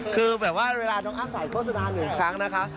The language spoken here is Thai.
คือแบบว่าเวลาน้องอ้ำถ่ายโฆษณาหนึ่งครั้งนะคะ